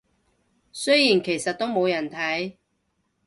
雖然其實都冇人睇